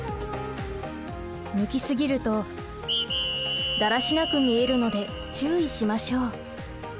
抜き過ぎるとだらしなく見えるので注意しましょう。